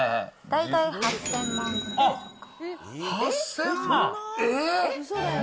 大体８０００万ぐらい。